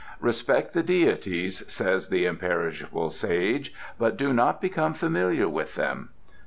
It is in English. "Respect the deities," says the imperishable Sage, "but do not become familiar with them."